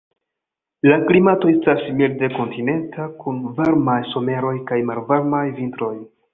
La klimato estas milde kontinenta, kun varmaj someroj kaj malvarmaj vintroj.